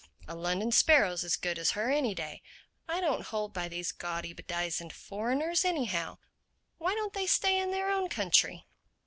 A London sparrow's as good as her any day. I don't hold by these gawdy bedizened foreigners nohow. Why don't they stay in their own country?"